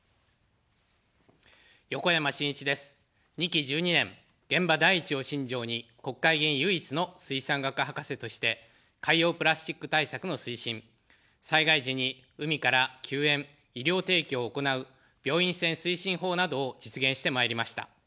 ２期１２年、現場第一を信条に、国会議員唯一の水産学博士として、海洋プラスチック対策の推進、災害時に海から救援・医療提供を行う病院船推進法などを実現してまいりました。